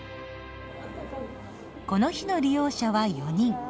この日の利用者は４人。